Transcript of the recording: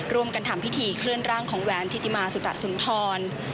ทำพิธีเคลื่อนร่างของแหวนธิติมาสุตะสุนทร